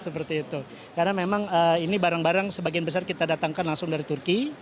karena memang ini barang barang sebagian besar kita datangkan langsung dari turki